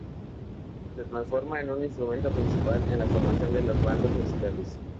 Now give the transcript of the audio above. Se transforma en un instrumento principal en la formación de las bandas musicales.